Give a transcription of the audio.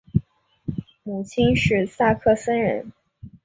母亲是萨克森人。